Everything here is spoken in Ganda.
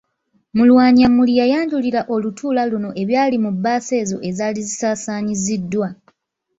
Mulwanyammuli yayanjulira olutuula luno ebyali mu bbaasa ezo ezaali zisaasanyiziddwa.